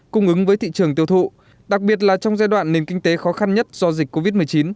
cung ứng với thị trường tiêu thụ đặc biệt là trong giai đoạn nền kinh tế khó khăn nhất do dịch covid một mươi chín